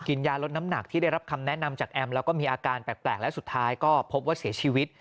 ยาลดน้ำหนักที่ได้รับคำแนะนำจากแอมแล้วก็มีอาการแปลกและสุดท้ายก็พบว่าเสียชีวิต